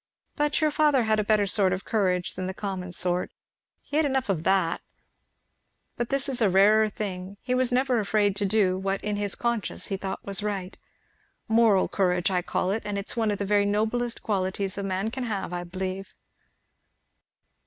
But your father had a better sort of courage than the common sort he had enough of that but this is a rarer thing he never was afraid to do what in his conscience he thought was right. Moral courage I call it, and it is one of the very noblest qualities a man can have."